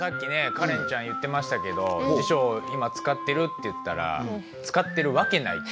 カレンちゃん言ってましたけど「辞書今使ってる？」って言ったら「使ってる訳ない」って。